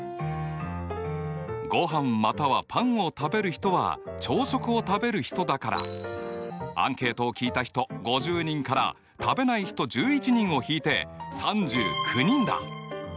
ごはんまたはパンを食べる人は朝食を食べる人だからアンケートを聞いた人５０人から食べない人１１人を引いて３９人だ。